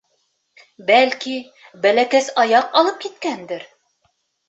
— Бәлки, Бәләкәс Аяҡ алып киткәндер.